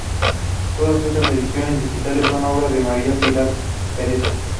Todas estas ediciones digitales son obra de María Pilar Perea.